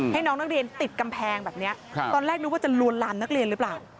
ให้น้องนักเรียนติดกำแพงแบบนี้ตอนแรกนึกว่าจะลวนลามนักเรียนหรือเปล่า